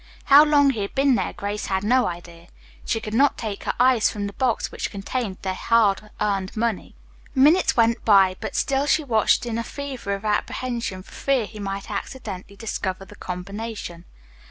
How long he had been there Grace had no idea. She could not take her eyes from the box which contained their hard earned money. Minutes went by, but still she watched in a fever of apprehension for fear he might accidentally discover the combination.